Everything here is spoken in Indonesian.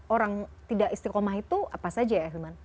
orang tidak istiqomah itu apa saja ya ahilman